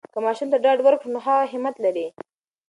که ماشوم ته ډاډ ورکړو، نو هغه همت لری.